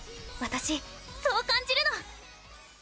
私そう感じるの！